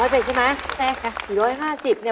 น้อยไปใช่ไหมแกค่ะ